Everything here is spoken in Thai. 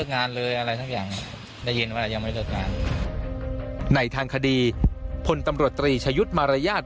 ในทางคดีพลตำรวจตรีชะยุทธ์มารยาท